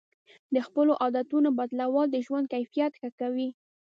د خپلو عادتونو بدلول د ژوند کیفیت ښه کوي.